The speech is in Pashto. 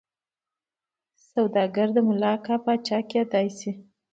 سوداګر د ملاکا پاچا کېدای شي.